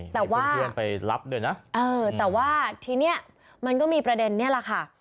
แต่ว่าแต่ว่าทีนี้มันก็มีประเด็นนี่แหละค่ะ